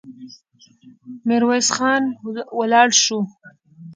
ميرويس خان ولاړ شو.